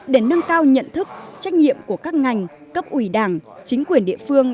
để nâng cao nhận thức trách nhiệm của các ngành cấp ủy đảng chính quyền địa phương